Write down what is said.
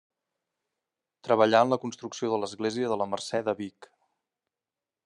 Treballà en la construcció de l’església de la Mercè de Vic.